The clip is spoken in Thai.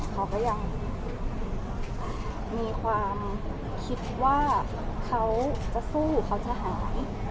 เขาก็ยังมีความคิดว่าเขาจะสู้เขาจะหาย